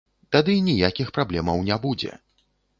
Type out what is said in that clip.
Тады ніякіх праблемаў не будзе.